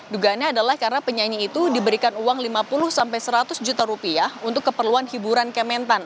dugaannya adalah karena penyanyi itu diberikan uang lima puluh sampai seratus juta rupiah untuk keperluan hiburan kementan